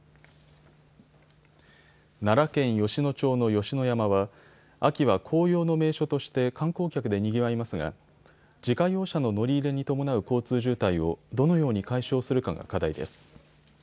奈良県吉野町の吉野山は秋は紅葉の名所として観光客でにぎわいますが自家用車の乗り入れに伴う交通渋滞をどのように解消するかが課題です。